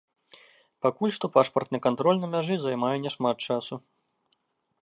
Пакуль што пашпартны кантроль на мяжы займае няшмат часу.